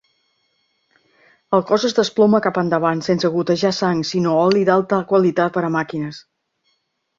El cos es desploma cap endavant, sense gotejar sang, sinó oli d'alta qualitat per a màquines.